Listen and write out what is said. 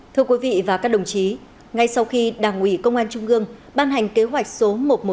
thưa quý vị và các đồng chí ngay sau khi đảng ủy công an trung ương ban hành kế hoạch số một trăm một mươi hai